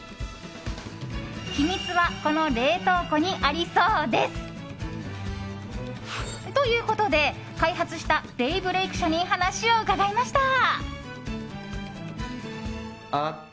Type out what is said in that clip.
秘密はこの冷凍庫にありそうです。ということで開発したデイブレイク社に話を伺いました。